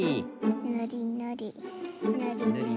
ぬりぬりぬりぬり。